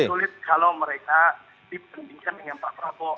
jadi sulit kalau mereka dipendingkan dengan pak prabowo